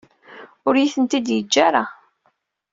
Ur iyi-tent-id-yeǧǧa ara.